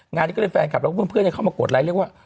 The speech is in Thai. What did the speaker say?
งานนี้ก็เลยแฟนคลับแล้วก็เพื่อนเข้ามากดไลค์เรียกว่า